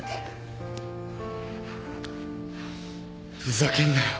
ふざけんなよ。